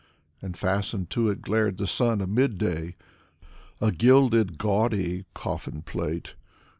And fastened to it glared the sun of mid day: A gilded, gawdy coffin plate.